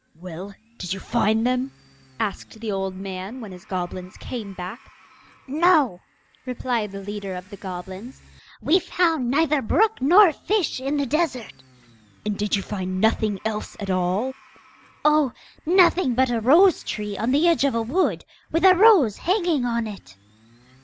'Well, did you find them?' asked the old man when his goblins came back. 'No,' replied the leader of the goblins, 'we found neither brook nor fish in the desert.' 'And did you find nothing else at all?' 'Oh, nothing but a rose tree on the edge of a wood, with a rose hanging on it.